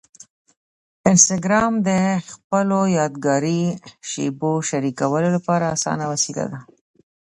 انسټاګرام د خپلو یادګاري شېبو شریکولو لپاره اسانه وسیله ده.